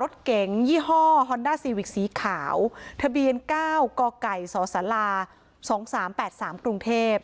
รถเก๋งยี่ห้อซีวิกสีขาวทะเบียนเก้ากอไก่สอสาราสองสามแปดสามกรุงเทพ